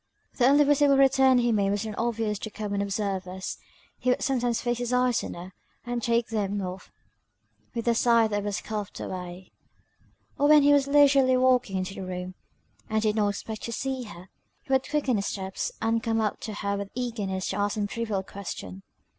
The only visible return he made was not obvious to common observers. He would sometimes fix his eyes on her, and take them off with a sigh that was coughed away; or when he was leisurely walking into the room, and did not expect to see her, he would quicken his steps, and come up to her with eagerness to ask some trivial question.